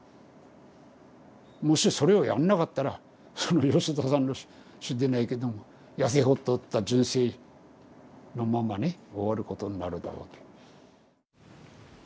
もしそれをやんなかったらその吉田さんの詩でないけどもやせ細った人生のままね終わることになるだろうと。